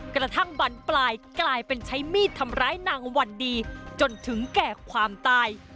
บรรปลายกลายเป็นใช้มีดทำร้ายนางวันดีจนถึงแก่ความตาย